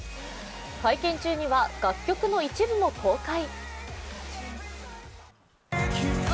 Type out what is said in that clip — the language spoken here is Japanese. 会見中には、楽曲の一部も公開。